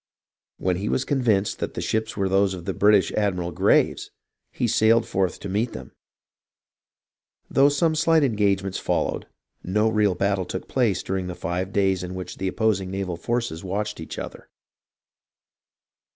When he was convinced that the ships were those of the British admiral Graves, he sailed forth to meet them ; though some slight engagements followed, no real battle took place during the five days in which the opposing naval forces watched each other.